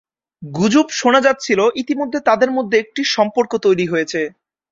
গুজব শোনা যাচ্ছিল ইতিমধ্যে তাঁদের মধ্যে একটি সম্পর্ক তৈরি হয়েছে।